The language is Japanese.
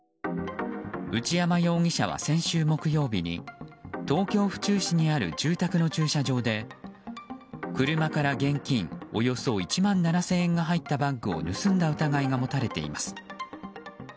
内山容疑者は先週木曜日に東京・府中市にある住宅の駐車場で車から現金およそ１万７０００円が入ったバッグを盗んだ疑いが持たれています。